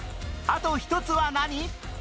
あと１つは何？